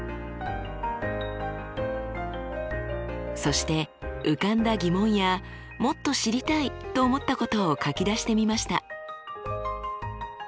そして浮かんだ疑問やもっと知りたいと思ったことを書き出してみました。